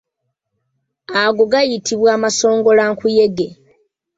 Ago gayitibwa amasongolankuyege.